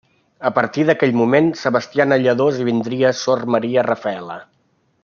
A partir d'aquell moment Sebastiana Lladó esdevindria sor Maria Rafela.